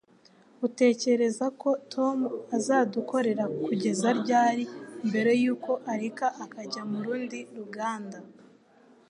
Utekereza ko Tom azadukorera kugeza ryari mbere yuko areka akajya mu rundi ruganda?